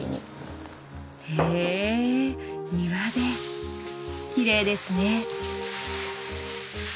へ庭できれいですね。